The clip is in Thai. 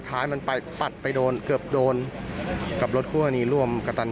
ท้ายมันไปปัดไปโดนเกือบโดนกับรถคู่กรณีร่วมกระตัน